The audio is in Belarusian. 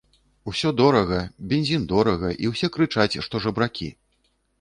Усё дорага, бензін дорага, і ўсе крычаць, што жабракі.